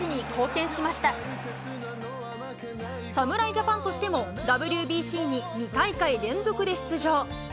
ジャパンとしても、ＷＢＣに２大会連続で出場。